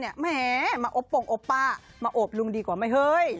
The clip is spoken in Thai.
แหมมาอบปงอบป้ามาโอบลุงดีกว่าไหมเฮ้ย